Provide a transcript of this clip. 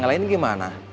iya banget sihtao